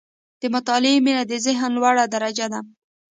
• د مطالعې مینه، د ذهن لوړه درجه ده.